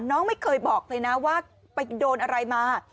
น้องไม่เคยบอกเลยนะว่าไปโดนอะไรมา